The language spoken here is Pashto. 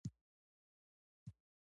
پیاوړی بدن قوي دی.